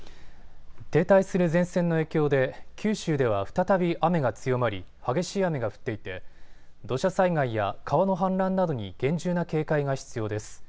停滞する前線の影響で九州では再び雨が強まり、激しい雨が降っていて土砂災害や川の氾濫などに厳重な警戒が必要です。